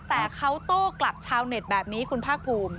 แต่เขาโต้กลับชาวเน็ตแบบนี้คุณภาคภูมิ